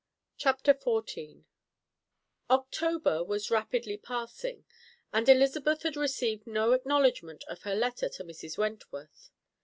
Chapter XIV October was rapidly passing; and Elizabeth had received no acknowledgment of her letter to Mrs. Wentworth.